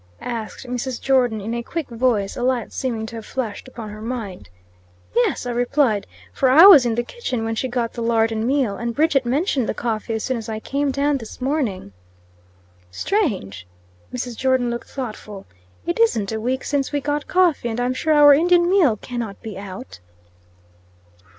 asked Mrs. Jordon in a quick voice, a light seeming to have flashed upon her mind. "Yes," I replied, "for I was in the kitchen when she got the lard and meal, and Bridget mentioned the coffee as soon as I came down this morning." "Strange!" Mrs. Jordon looked thoughtful. "It isn't a week since we got coffee, and I am sure our Indian meal cannot be out."